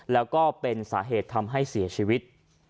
แล้วก็เป็นสาเหตุทำให้เสียชีวิต